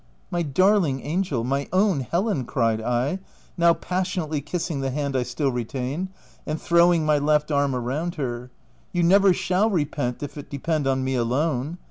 u My darling angel — my own Helen," cried I, now passionately kissing the hand I still re tained, and throwing my left arm around her, " you never shall repent, if it depend on me alone.